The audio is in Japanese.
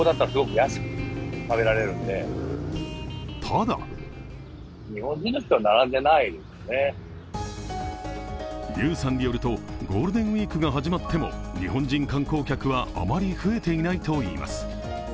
ただＲｙｕさんによるとゴールデンウイークが始まっても日本人観光客はあまり増えていないといいます。